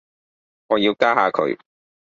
我要加下佢